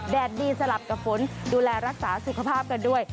ดีสลับกับฝนดูแลรักษาสุขภาพกันด้วย